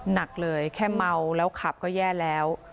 หนักเลยแค่เมาแล้วขับก็แย่แล้ว